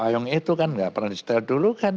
yang itu kan gak pernah di sitel dulu kan